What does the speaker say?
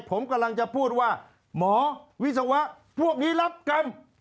ผมกำลังจะพูดว่าหมอวิศวะพวกนี้รับกรรม